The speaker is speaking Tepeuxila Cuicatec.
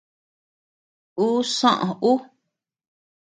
Ú soʼö ú.